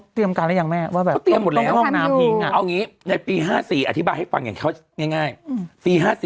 ปี๕๔อันน้ำเต็มอย่างนี้